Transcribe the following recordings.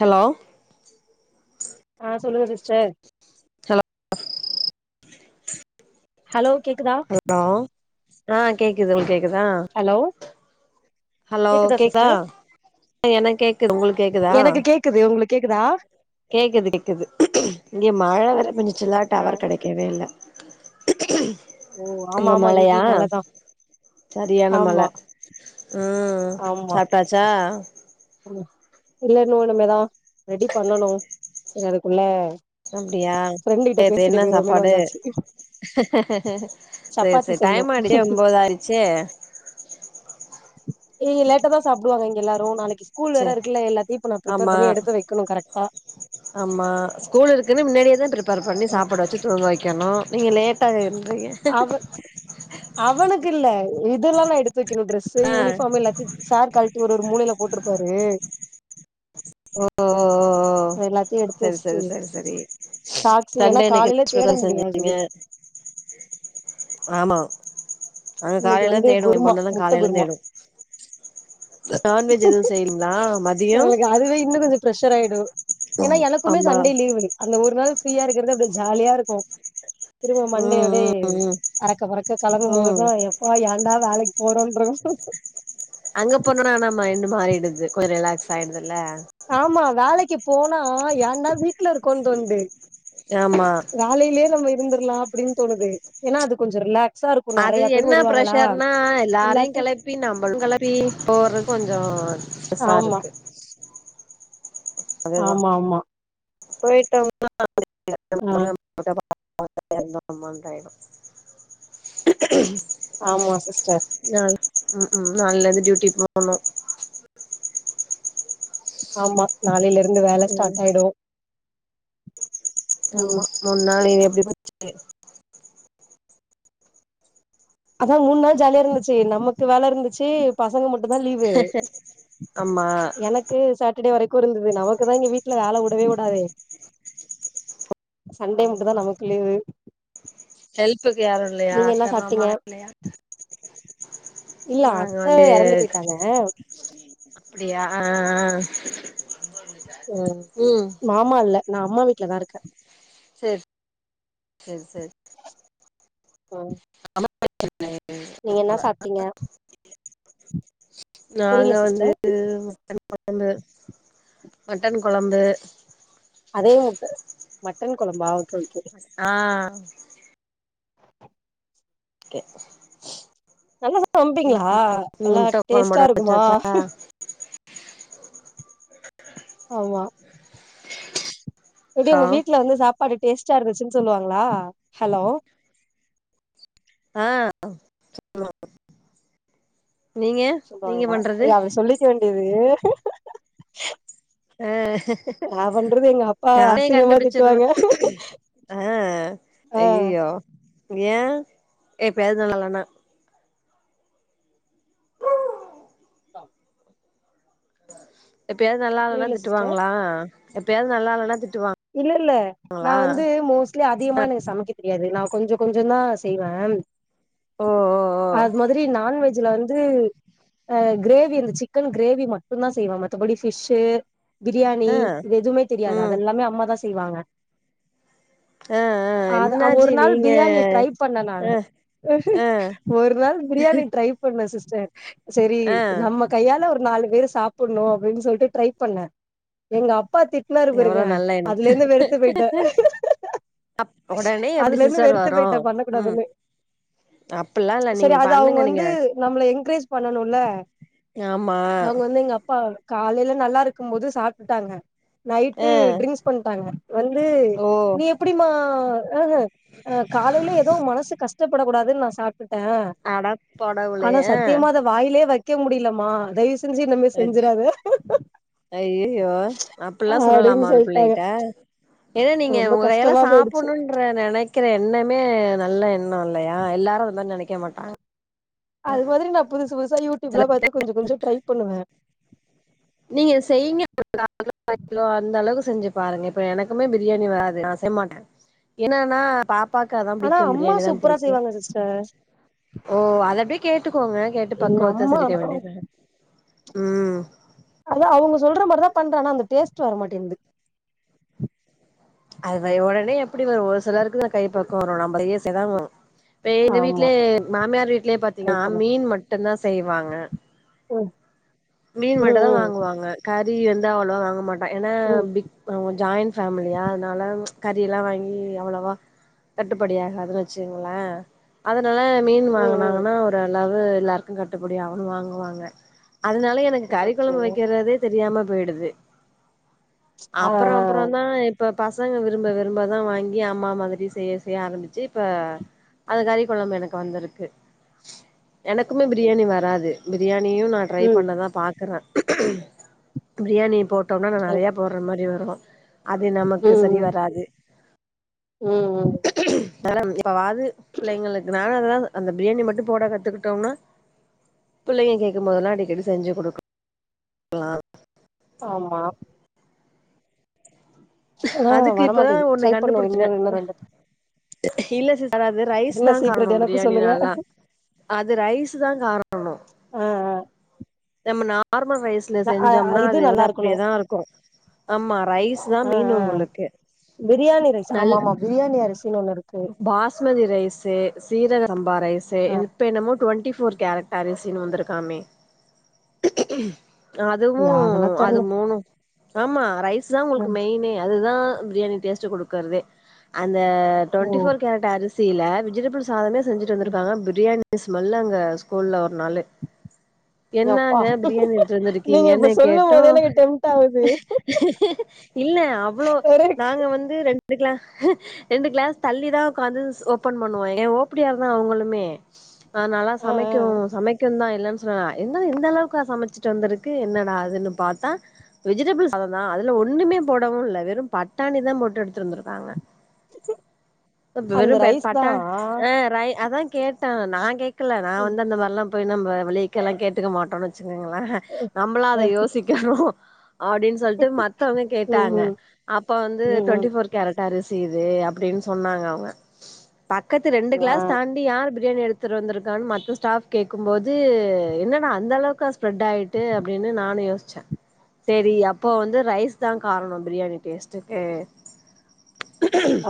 hello ஆ சொல்லுங்க sister ஆ ஹலோ கேக்குதா ஹலோ ஆ கேக்குது உங்குளுக் கேக்குதா ஹலோ ஹலோ கேக்குதா எனக்கு கேக்குது உங்குளுக்கு கேக்குதா எனக்கு கேக்குது உங்குளுக்கு கேக்குதா கேக்குது கேக்குது இங்க மழ வேர பேஞ்சுச்சுல ஆ டவர் கெடைக்கவே இல்ல ஓ ஆமா அங்க ஆமா மழையா இங்கேயு மழதா சரியான மழ ஆமா ம் ஆமா சாப்ட்டாச்சா ம் இல்ல இன்னோ இனிமேதா ரெடி பண்ணணோ செரி அதுக்குள்ள அப்டியா ஃப்ரெண்டு கிட்ட செரி பேசிட்டு என்ன போயிருவோமேனு சாப்பாடு வந்தாச்சு செரி சப்பாத்தி செரி செய்யணு டைம் ஆயிடிச்சே ஒம்போதாயிடுச்சே இன்னிக்கி லேட்டா தா சாப்டுவாங்க எல்லாரோ நாளைக்கி ஸ்கூல் வேற சேரி இருக்குல்ல எல்லாத்தையு இப்ப நா பிரப்பர் ஆமா பண்ணி எடுத்து வைக்கணோ கரக்டா ஆமா ஸ்கூல் இருக்குன்னு மின்னாடியேதா பிரப்பேர் பண்ணி சாப்புட வெச்சு தூங்க வெக்கணோ நீங்க லேட்டாகோ என்றீங்க அவ அவனுக்கு இல்ல இதுல்லா நா எடுத்து வெக்கணோ டிரெஸு ஆ யூனிஃபார்ம் எல்லாத்தையு சார் கழட்டி ஒரு ஒரு மூளையில போட்ருப்பாரு ஓ ஓ ஓ ஓ ஓ ஓ ஓ எல்லாத்தையு எடுத்து செரி செரி வச்சுட்டு செரி செரி சாக்ஸ் ஏன்னா சண்டே இன்னைக்கு காலையில என்ன தேட ஸ்பெஷல் முடியாது செஞ்ச்சீங்க ஆமா நாங்க இன்னைக்கு காலைல வந்து தேடுவோ எம் குருமா பொண்ணல முட்ட காலைல்லாம் குருமா தேடுவோ நான்வெஜ் எதுவும் செய்யிங்களா மதியம் எங்களுக்கு அதுவே இன்னும் கொஞ்சம் பிரெஷர் ஆயிடும் ஏன்னா எனக்குமே ஆமா சண்டே லீவு அந்த ஒரு நாள் ஃப்ரீயா இருக்குறது அவ்ளோ ஜாலியா இருக்கும் திரும்ப ம் மண்டையோட ம் ம் அறக்க பறக்க கெளம்பும் போது ம் எப்பா ஏண்டா வேலைக்கு போறோன்ருக்கும் அங்க போணோன்னா ஆனா மைண்ட் மாறிடுது கொஞ்சம் ரிலாக்ஸ் ஆயிடுது இல்ல ஆமா வேலைக்கு போனா ஏன்டா வீட்டுல இருக்கோன்னு தோணுது ஆமா வேலையிலே நம்ம இருந்துரலாம் அப்படின்னு தோணுது ஏன்னா அது கொஞ்சம் ரிலாக்ஸ் அது என்ன ப்ரஷர்னா எல்லாரையும் எல்லாத்து கெளைப் ப்பி நம்பளும் கெளப்பி போறது கொஞ்சோ பெருசா ஆமா இருக்கு ஆமா ஆமா அதேதான் போயிட்டோம்னா ஆ ஒன்னும் தெரியாது நமக்கு [unintelligible] ஆமா சிஸ்டர் நாள் உம் உம் நாளைல இருந்து டியூட்டி போணும் ஆமா நாளையில இருந்து வேல ம் ஸ்டார்ட் ஆயிடும் ஆமா மூண் நாள் லீவு எப்டி போச்சி அதா மூண் நாள் ஜாலியா இருந்துச்சு நமக்கு வேல இருந்துச்சு பசங்க மட்டுந்தா லீவு ஆமா எனக் கு சாட்டர்டே வரைக்கு இருந்தது நமக்கு தா இங்க வீட்ல வேல வுடவே வுடாதே சண்டே ஆமா மட்டுந்தா நமக்கு லீவு ஹெல்ப்புக்கு யாரும் இல்லையா நீங்க என்ன அத்த சாப்ட்டீங்க மாமானா இல்லையா இல்ல நாங்க அத்த வந்து எறந்து பேயிட்டாங்க அப்டியா ஆ ஆ ஓ ம் மாமா இல்ல நா அம்மா வீட்லதா இருக்க சேரி சேரி சேரி ம் நீங்க என்ன சாப்ட்டீங்க நாங்க புரில சிஸ்டர் வந்துட்டு [inaudible] மட்டன் கொழம்பு அதே முட்ட மட்டன் கொழம்பா ஓகே ஓகே ஆ நல்லா சமைப்பீங்களா ஓகே நீங்க நல்லா முட்ட டேஸ்ட்டா கொழம்புலா இருக்குமா வச்சாச்சா ஆமா எப்டி ஆ உங்க வீட்ல வந்து சாப்பாடு டேஸ்ட்டா இருந்துச்சுன் சொல்லுவாங்களா ஹலோ ஆ சொல்லுவாங்க சொல்லுவாங்களா பண்றது இல்ல அப்டி சொல்லிக்க வேண்டியது ஆ நா பண்றது எங்க அப்பா நானே அசிங்கமா கண்டுபிடிச்சிருவே திட்டுவாங்க ஆ ஆ ஐயயோ ஏன் எப்பயாது நல்லா இல்லனா பா எப்பயாது நல்லா இல்லனா புரியல சிஸ்டர் திட்டுவாங்களா எப்பயாது நல்லா இல்லனா திட்டுவா இல்ல இல்ல நா வந்து மோஸ்ட் ட்லி அ அதிகமா எனக்கு சமைக்க தெரியாது நா கொஞ்ச கொஞ்சந்தா செய்வே ஓ ஓ ஓ அது மாதிரி நான்வெஜ்ல வந் து ஆ கிரேவி இந்த சிக்கன் கிரேவி மட்டுந்தா செய்வே மத்தபடி ஃபிஷு பிரியாணி அ இது எதுவுமே தெரியாது ம் அத எல்லாமே அம்மாதா செய்வாங்க ஆ ஆ அத ஒரு நாள் பிரியாணி ட்ரை பண்ணே அ நானு அ ஒரு நாள் பிரியாணி ட்ரை பண்ணே சிஸ்டர் சரி அ நம்ம கையால ஒரு நாலு பேர் சாப் பண்ணு அப்டின்னு சொல்லிட்டு ட்ரை பண்ணே எங்க அப்பா திட்னாரு எவ்ளோ பாருங்க நல்ல எண்ணம் அதுலேருந்து வெறுத்து போயிட்டே ஒடனே எப்டி அதுல இருந்து சிஸ்டர் வெறுத்து வரு போயிட்டே பண்ண ம் கூடாதுன்னு அப்பில்லா இல்ல சரி நீங்க அது அவங்க பண்ணுங்க நீங்க வந்து நம்மள என்கரேஜ் பண்ணனுல ஆமா எங்க அப்பா காலையில நல்லா இருக்கும் போது சாப்டுட்டாங்க அ நைட்டு ட்ரிங்க்ஸ் பண்ட்டாங்க வந்து ஓ நீ எப்டிமா ஆஹ ஆ காலையில ஏதோ மனசு கஷ்டப்படக் கூடாதுன் நா சாப்ட்டுட்டே அடக் கடவுளே ஆனா அ சத்தியமா அத வாயிலே வைக்க முடியலமா தயவு செஞ்சு இனிமே செஞ்சுறாத ஐயயோ அப்டிலா சொல்லலாமா ஒரு சொல்ட்டாங்க பிள்ளைகிட்ட ஏனா நீங்க ரொம்ப உங்க கையால்லா கஷ்டமா போயிடுச்சு சாப்பணுன்ற நெனைக் க்கிற எண்ணமே நல்ல எண்ணோ இல்லயா எல்லாரு இம் மாரி நெனைக்க மாட்டாங்க அது மாதிரி நா புதுசு புதுசா யூடியூப் சில லா பாத்து கொஞ்சோ கொஞ்சோ ட்ரை பண்ணுவே நீங்க செய்ங்க பத் கிலோ அந்த அளவு செஞ்சு பாருங்க இப்ப எனக்குமே பிரியாணி வராது நா செய்ய மாட்டே என்னன்னா பாப்பாக்கு அதா ஆனா ப்டிக்கோ அம்மா பிரியாணி தா சூப்பரா புடிக்கோ செய்வாங்க சிஸ்டர் ஓ அத அப்டியே கேட்டுக்கோங்க கேட்டு எங்க பக்கவத்த அம்மா சொல்லிக்க வேண்டியதா ம் அதா அவங்க சொல்ற மாரி தா பண்ற ஆனா அந்த டேஸ்ட்டு வர மாட்டேன்து அது ஒடனே எப்டி வரோ ஒரு சிலருக்கு அந் கை பக்குவம் வரு நம்ப செய்ய செய்ய தா வரோ இப்ப எங்க ஆமா வீட்லயே மாமியார் வீட்லயே ட்ரை பாத்தீங்கன்னா பண்ணு மீன் மட்டுந்தா செய்வாங்க ம் மீன் ம் மட்டு தா ம் வாங்குவாங்க கறி வந்து அவ்ளோவா வாங்க மாட்டா ஏன்னா ம் பிக் அவங்க ஜாயிண் ஃபேமிலியா அன்னால கறில்லா வாங்கி அவ்ளவா கட்டுப்படியாகதுன் வச்சுங்ளே அதனால மீன் ம் ம் வாங்கனாங்கன்னா ஒரளவு எல்லாருக்கு கட்டுப்படி ஆவன் வாங்குவாங்க அதனால எனக்கு கறி ஓகே கொழம்பு வெக்கிறதே தெரியாம போய்டுது ஆ ஆ அப்புறோ அப்புறோ தா இப்ப பசங்க விரும்ப விரும்ப தா வாங்கி அம்மா மாதிரி செய்ய செய்ய ஆரம்பிச்சு இப்ப அது கறி கொழம்பு எனக்கு வந்துருக்கு எனக்குமே ம் பிரியாணி வராது பிரியாணியு நா ட்ரை ம் பண்ணதா பாக்குற பிரியாணி போட்டோம்னா நா நெறைய போட்ற மாரி வரோ அது நமக்கு ம் சரி ம் வராது ம் அதனால எப்பவாது பிள்ளைங்களுக்கு நானு அது தா அந்த பிரியாணி மட்டும் போட கத்துக்கிட்டோன்னா பிள்ளைங்க கேக்குமோதெல்லா அடிக்கடி செஞ்சு குடுக் கலா ஆமா ஆ அதுக்கு இப்பதா வரமாட்டேது ஒண்ணு ட்ரை பண்ணுவோ இன்னு இன்னு கண்டுபுடிச்சிர்க்க ரெண்டு இல்ல சிஸ் அதா அது ரைஸ் என்ன தா கார்ணோ சீக்ரெட் எனக்கு பிரியாணி சொல்லுங்க நல்லா அது ரைஸு தா காரணோ ஆ ஆ நம்ம நார்மல் ரைஸ்ல ஆ ஆ செஞ்சோம்னா இது அது நல்லா வந்து இருக்கணு அப்டியேதா இருக்கோ ஆமா ரைஸ் தா ஆ மெய்ன் ஆ உங்களுக்கு பிரியாணி ரைஸ் ஆமா நல் ஆமா பிரியாணி அரிசின் ஒன்னு இருக் பாஸ்மதி ரைசு சீரக சம்பா ரைசு ஆ இது இப்ப என்னமோ ட்வெண்டி ஃபோர் கேரட் அரிசின் வந்துருக்காமே அதுவு யா அதெல்லா அது தெர்ல மூணோ ஆமா ரைஸ் தா ஆ உங்களுக்கு மெயினே அதுதா பிரியாணி டேஸ்ட்டு குடுக்கறதே அந்த ஓ டொண்டி ஃபோர் கேரட் அரிசியில விஜிடேபுள் சாதமே செஞ்சுட்டு வந்துருக்காங்க பிரியாணி ஸ்மெல் அங்க ஸ்கூல்ல ஒரு நாளு எப்பா என்னாங்க பிரியாணி எடுத்து நீங்க இப்ப வந்துருக்கீங்கன்னு சொல்லும் கேட்டோ போதே எனக்கு டெம்ட் ஆவுது இல்ல அவ்வளோ ஒரே நாங்க வந்து ரெண் டு க்ளா ரெண்டு க்ளாஸ் தள்ளிதா உக்காந்து ச ஓப்பன் பண்ணுவோ ஏ ஓப்புடியாள்தா அவுங்களுமே அத்னால ஆ ஆ சமைக்கு சமைக்குந்தா இல்லன் சொல்லல என்னது இந்தளவுக்கா சமச்சிட்டு வந்துரு க்கு என்னடாதுன்னு பாத்தா விஜிடேபுள் சாதந்தா அதுல ஒண்ணுமே போடவு இல்ல வெறு பட்டாணி தா போட்டு எடுத்துட் வந்துருக்காங்க வெறு அந்த பட் ரைஸ் தா பட்டான் அ ரை அதா கேட்டான் நா கேக்கல நா ம் வந்து அந்த மார்ல்லா போய் நம்ப வழியக்கல்லா கேட்டுக்க மாட்டோனு வெச்சுக்கோங்களே நம்பளா அத யோசிக் கணோ அப்டின் சொல்ட்டு மத்தவங்க ம் கேட்டாங்க ம் அப்ப வந்து ம் ட்வெண்டி ம் ஃபோர் கேரட் அரிசி இது அப்புடின் சொன்னாங்க அவுங்க பக்கத்து ரெண்டு ஆ க்ளாஸ் தாண் டி யாரு பிரியாணி எடுத்துட்டு வந்திருக்கான் மத்த ஸ்டாப் கேக்கும்போது என்னடா அந்தளவுக்கா ஸ் ப்ரெட் ஆயிட்டு அப்டின்னு நானு யோஸ்ச்ச செரி அப்போ வந்து ரைஸ் தா காரணோ பிரியாணி டேஸ்ட்டுக்கு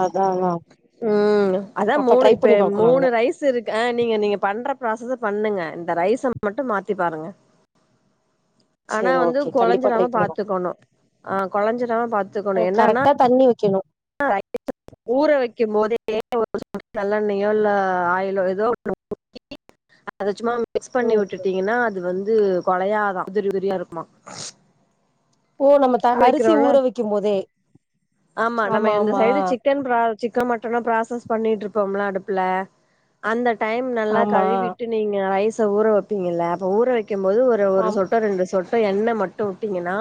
அதாங்க ம் அதா மூணு இப்ப பாக்கணு மூணு அதுல ரைஸ் ஸுருக்கு அ நீங்க நீங்க பண்ற ப்ராசஸ பண்ணுங்க இந்த ரைஸ மட்டு மாத்தி பாருங்க ஆனா சேரி வந்து ஓகே கண்டிப்பா ட்ரை கொழஞ்சிடாம பண்ணி பாக் பாத்துக்கணு ஆ கொழஞ்சிடாம பாத் கரெக்டா தண்ணி வெக்கணு [inaudible] ஊற வெக்கும்போதே ஒரு [unintelligible] நல்லெண்ணெயோ இல்ல ஆயிலோ எதோ [inaudible] அத சும்மா மிக்ஸ் பண்ணி ம் விட்டுட்டீங்கன்னா அது வந்து கொழையாதா உதிரி உதிரியா இருக்குமா ஓ நம்ம த ஊற அரிசி வைக்கிறோல்ல ஊறவெக்கும்போதே ஆமா நம்ம இந்த சைடு சிக்கன் ப்ரா சிக்கன் மட்டனோ ப்ராசஸ் பண்ணிட்டுருப்போம்ல அடுப்புல அந்த டைம் நல்லா ஆமா கழுவிட்டு நீங்க ரைஸ ஊற வெப்பீங்க அப்ப ஊற வெக்கும் போது ஒ ரு ஒரு ஆம் சொட்டோ ரெண்டு சொட்டோ எண்ணெ மட்டு உட்டீங்கன்னா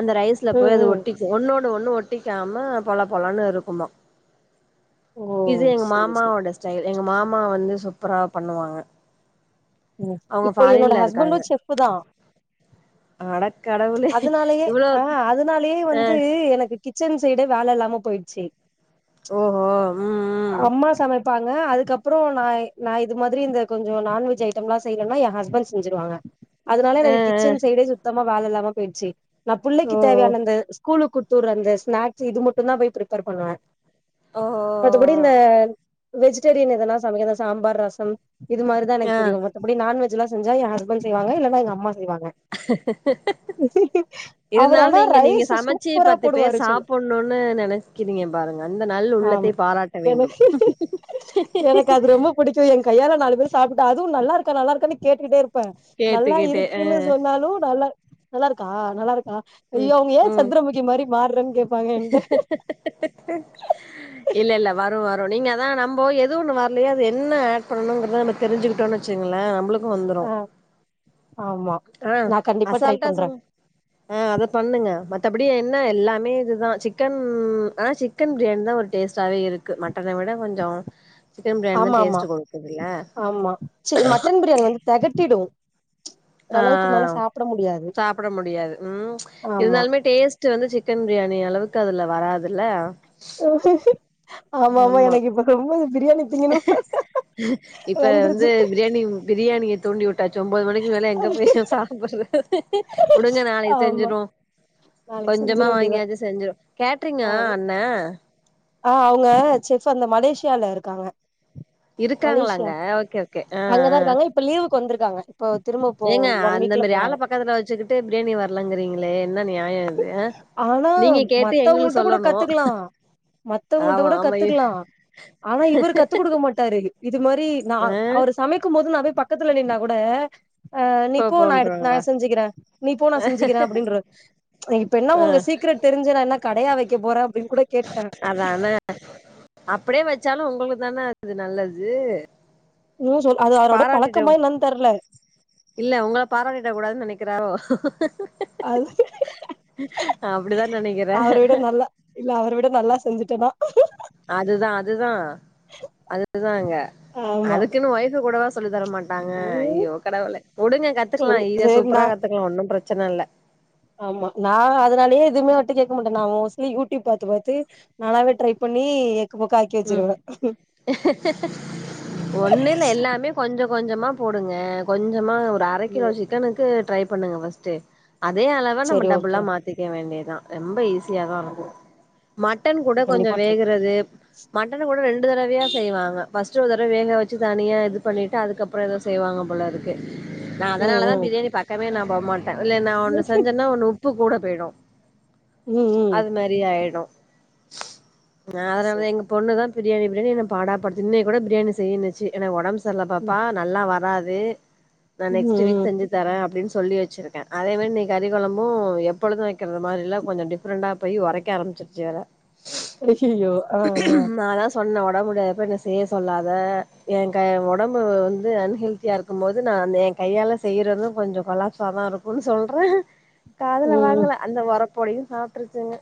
அந்த ரைஸ்ல ம் போய் அது ம் ஒட்டிக் கு ஒன்னோடு ஒண்ணு ஒட்டிக்காம பலப்பலன் இருக்குமா ஓ இது எங்க சேரி சேரி மாமாவோட ஸ்டைல் எங்க மாமா வந்து சூப்பரா பண்ணுவாங்க ம் அவங்க இப்போ என்னோட ஃபாரின்ல ஹஸ்பண்டு செஃப்பு தா அடக்கடவுள் அதனாலயே ஆ அதனாலயே வந்து எனக்கு கிச்சன் சைடே வேல இல்லாம போய்ட்ச்சு ஓ ம் ம் அம்மா சமைப்பாங்க அதுக்கப்பற நா நா இது மாதிரி இந்த கொஞ்ச நான்வெஜ் ஐட் ம் செய்றேன்னா எய ஹஸ்பன்ண்ட் செஞ்சுடுவாங்க அதனால அ எனக்கு கிச்சன் சைடே சுத்தமா வேல இல்லாம போயிடுச்சு நா அ ஓ பிள்ளைக்கு ஓ தேவையான இந்த ஸ்கூலுக்கு அந்த ஸ்நாக்ஸ் இது மட்டு தா போய் பிரிப்பேர் பண்ணுவ ஓ மத்தபடி இந்த ஓ வெஜிடேரியன் எதனாம் சமைக்க சாம்பார் ரசம் இது மாதிரிதா ஓ எனக்கு ஆ தெரியும் அப்டி நான்வெஜ் எலா செஞ்சா எய ஹஸ்பண்ட் செய்வங்க இல்லன்னா எங்க அம்மா செய்வாங்க அவரு இருந்தாலும் ஆனா நீங்க நீங்க ரைஸ் சமைச்சு சூப்பரா பத்து பேர் போடுவாரு சொல்லு சாப்ப ன்னு நினைக்கிறீங்க பாருங்க அந்த நள் ஆமா உள்ளத்தை பாராட்ட வேண்டும் எனக்கு பிடிக்கும் எய கையால நாலு பேர் சாப்ட்டு அதுவும் நல்லாயிருக்க நல்லாயிருக்கான்னு கேட்டுட்டே இரு ப்ப நல்லா கேட்டுக்கிட்டே அ இருக்குன்னு சொன்னாலு நல்லா நல்லா இருக்கா நல்லா இருக்கா ம் ஐயோ அவங்க ஏய ம் சந்ரமுகி மாதிரி மாற்றேன்னு கேட்பாங்க எயகிட்ட இல்ல இல்ல வரு வரு நீங்க தா நம்ம இப்போ எது ஒன்னு வரலையோ அது என்ன ஆட் பண்ணணுங்கிறத நம்ம தெரிஞ்சுட்டோன்னுவச்சுங்கள நம்மளுக்கும் வந்துடும் ஆ ஆமா ஆ நா கண்டிப்பா ட்ரை அசால்ட்டா பண்றே சொல்லு ஆ அத பண்ணுங்க மத்தபடி என்ன எல்லாமே இதுதா சிக்கன் ஆனா சிக்கன் பிரியாணி தா ஒரு டேஸ்ட்டாவே இருக்கு மட்டனை விட கொஞ்ச சிக்கன் பிரியாணி தா ஆமா ஆமா டேஸ்ட் கொடுக்குது தில்ல ஆமா ச மட்டன் பிரியாணி வந்து தகட்டிடு ஆ சாப்ட முடியாது ம் ஆமா இருந்தாலுமே டேஸ்ட் வந்து சிக்கன் பிரியாணி அளவுக்கு அதுல வராதுல்ல ஆமா ஆமா எனக்கு இப்ப ரொம்ப அ பிரியாணி திங்கினுபோல இப்ப வந்து பிரியாணி பிரியாணியை தூண்டி விட்டாச்சு ஒன்பது மணிக்கு மேலே எங்க போயி சாப்டறது உடுங்க நாளைக்கு ஆமா செஞ்சிருவோ நாளைக்கு கொஞ்சமா செஞ்சிட வேண்டியதா வாங்கியாச்சு செஞ்சிடுவோ கேட்டறிங்கா ஆமா அண்ண ஆ அவங்க செப் அந்த மலேசியாவில இருக்காங்க மலேசியா இருக்காங்களாங்க ஓகே ஓகே அ அங்கதா அ இருக்காங்க இப்ப லீவுக்கு வந்திருக்காங்க இப்போ திரும்ப போ ஒன் அந்த வீக்ல மாரி ஆள போறாங்க பக்கத்துல வச்சுகிட்டு பிரியாணி வர்லங்கிறீங்களே என்ன நியா இது ஆ ஆனா நீங்க கேட்டு எங்களுக்கு மத்தவ்ங்கள்ட கூட சொல்லணு கத்துக்கலா மத்தவ்ங்கள்ட ஆமா கூட ஆமா கத்துக்லா ஆனா இவுரு கத்து குடுக்க மாட்டாரு இது மாரி நா ஆ அவ்ரு சமைக்கும் போது நா போய் பக்கத்துல நின்னா கூட அ நீ இப்போ போ நா எடுத் நா போன்றாங்களா செஞ்சுக்கிற நீ போ நா செஞ்சுக்கிற அப்டின்றுவாரு ம் இப்ப என்ன ஆ உங்க சீக்ரட் தெரிஞ்சு நா என்ன கடயா வைக்க போற அப்டின் கூட கேட்ட அதான அப்டியே வச்சாலு உங்களுக்கு தான அது நல்லது ம் சொல் அது அவரோட பாராட்டிட பழக்கமா என்னன் தெர்ல இல்ல உங்கள பாராட்டிட கூடாதுன்னு நெனைக்கிறாரோ அது அப்டிதா நெனைக்கிற அவர விட நல்லா இல்ல அவர விட நல்லா செஞ்சுட்டனா அதுதா அதுதா அதுதாங்க ஆமா அதுக்குன்னு ஒய்ஃப கூடவா சொல்லி தரமாட் டாங்க ம் ஐயோ கடவுளே உடுங்க கத்துக்கலா சொல்லி இத சேரி நா சூப்பரா கத்துக்கலா ஒன்னு பிரச்சன இல்ல ஆமா நா அதனாலயே எதுமே அவர்ட்ட கேக்க மாட்ட நா மோஸ்ட்லி யூடியூப் பாத்து பாத்து நல்லாவே ட்ரை பண்ணி எக்கு பொக்காய் ம் ஒன்னுல்ல எல்லாமே கொஞ்ச கொஞ்சமா போடுங்க கொஞ்சமா ஒரு அர கிலோ ம் சிக்கனுக்கு ட்ரை பண்ணுங்க ஃபஸ்டு அதே அளவ சரி நம்ம ஓகே டபுள்லா மாத்திக்க வேண்டியதா ரெம்ப ஈஸியாதா இருக்கு மட்டன் கூட கொஞ்ச கண்டிப்பா ட்ரை வேகறது மட்டன் கூட ரெண்டு தரவையா செய்வாங்க ஃபஸ்ட் ஒரு தரவ வேக வச்சு தனியா இது பண்ணிட்டு அதுக்கப்றோ ஏதோ செய்வாங்க போலது க்கு நா ம் அதனாலதா ம் பிரியாணி பக்கமே நா போ மாட்ட இல்ல நா ஒன்னு செஞ்சன்னா ஒன்னு உப் பு கூட போய்டு ம் ம் அது மாரி ஆயிடு நா அதனாலதா சரி எங்க பொண்ணுதா பிரியாணி பிரியாணி என்ன பாடா படுத்து இன்னைக்கு கூட பிரியாணி செய்யின்னுச்சி எனக்கு ஒடம் செர்ல ம் பாப்பா நல்லா வராது நா நெக்ஸ்ட் வீக் ம் செஞ்சு தர அப்டின் சொல்லி வச்சிருக்க அதேமாரி இன்னைக் கறி கொழம்பூ எப்பொழுது வைக்கரது மாரில்ல கொஞ்சோ டிஃப்ரெண்ட்டா போய் ஒரைக்க ஆரமிச்சிருச்சி வேற அய்யிய்யோ ஆ ஆ நா தா சொன்ன ஒடம் முடியாதப்ப என்ன செய்ய சொல்லாத என் க ஒடம்பு வந்து அன்ஹெல்தியாருக் க்கு போது நா எ கையால செய்யறது கொஞ்சோ கொலாப்சாதா இருக்குன் சொல்ற காதுல ம் வாங்கல அந்த ஒரப்போடயு சாப்ட்ருச்சுங்க